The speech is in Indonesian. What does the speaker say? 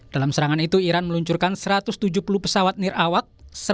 dalam serangan itu iran meluncurkan satu ratus tujuh puluh pesawat nirawak